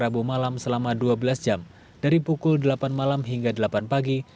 rabu malam selama dua belas jam dari pukul delapan malam hingga delapan pagi